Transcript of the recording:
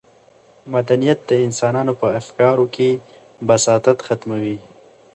مدنیت د انسانانو په افکارو کې بساطت ختموي.